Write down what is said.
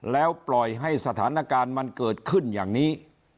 แล้วปล่อยให้สถานการณ์มันเกิดขึ้นอย่างนี้